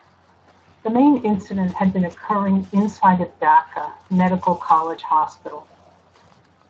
The main incident had been occurring inside of Dhaka medical college hospital.